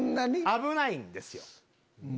危ないんですよ。